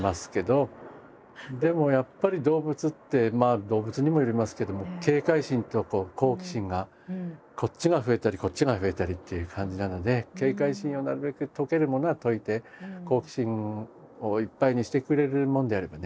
でもやっぱり動物ってまあ動物にもよりますけども警戒心と好奇心がこっちが増えたりこっちが増えたりっていう感じなので警戒心をなるべく解けるものは解いて好奇心をいっぱいにしてくれるものであればね